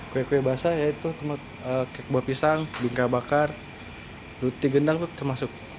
kue kue basah yaitu kek buah pisang bingkai bakar luti gendang itu termasuk